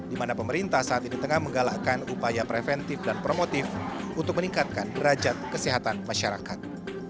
di mana pemerintah saat ini tengah menggalakkan upaya preventif dan promotif untuk meningkatkan derajat kesehatan masyarakat